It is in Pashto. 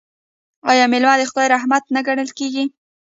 آیا میلمه د خدای رحمت نه ګڼل کیږي؟